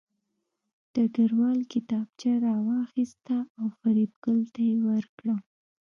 ډګروال کتابچه راواخیسته او فریدګل ته یې ورکړه